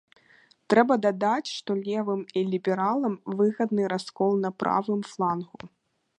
Трэба дадаць, што левым і лібералам выгодны раскол на правым флангу.